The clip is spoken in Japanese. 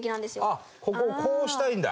あっここをこうしたいんだ。